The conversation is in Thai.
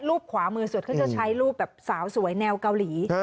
ขวามือสุดเขาจะใช้รูปแบบสาวสวยแนวเกาหลี